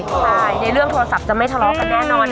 ใช่ในเรื่องโทรศัพท์จะไม่ทะเลาะกันแน่นอน